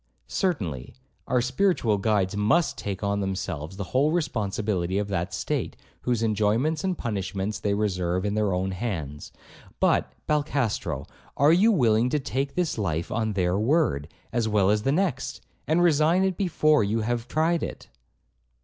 'Certainly; our spiritual guides must take on themselves the whole responsibility of that state, whose enjoyments and punishments they reserve in their own hands; but, Balcastro, are you willing to take this life on their word, as well as the next, and resign it before you have tried it?'